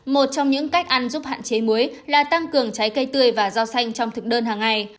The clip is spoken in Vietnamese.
một trong những cách ăn giúp hạn chế muối là tăng cường trái cây tươi và rau xanh trong thực đơn hàng ngày